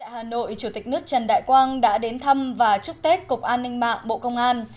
hà nội chủ tịch nước trần đại quang đã đến thăm và chúc tết cục an ninh mạng bộ công an